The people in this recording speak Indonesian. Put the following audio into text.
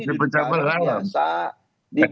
ini mau mencabel lagi dengan pak bukap